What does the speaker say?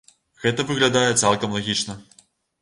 Гэта выглядае цалкам лагічна.